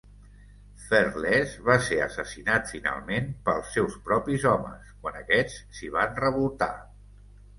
Fairless va ser assassinat finalment pels seus propis homes quan aquests s'hi van revoltar.